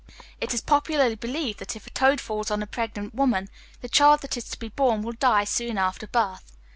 It is popularly believed that, if a toad falls on a pregnant woman, the child that is to be born will die soon after birth.